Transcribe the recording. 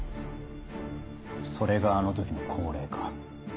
それがあの時の降霊か。